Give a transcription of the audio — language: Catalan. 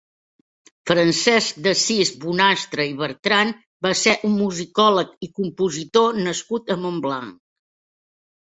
Francesc d'Assis Bonastre i Bertran va ser un musicòleg i compositor nascut a Montblanc.